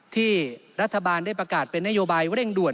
ที่รัฐบาลได้ประกาศเป็นนโยบายเร่งด่วน